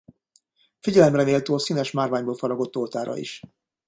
Figyelemre méltó a színes márványból faragott oltára is.